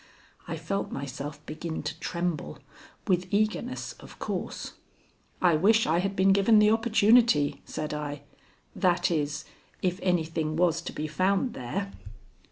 I felt myself begin to tremble, with eagerness, of course. "I wish I had been given the opportunity," said I "that is, if anything was to be found there."